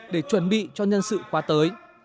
để chuẩn bị cho nhân sự qua tới